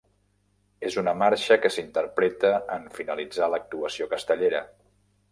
És una marxa que s'interpreta en finalitzar l'actuació castellera.